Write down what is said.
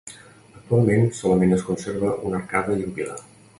Actualment solament es conserven una arcada i un pilar.